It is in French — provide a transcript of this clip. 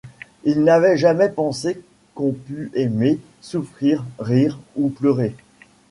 Il n'avait jamais pensé qu'on pût aimer, souffrir, rire ou pleurer.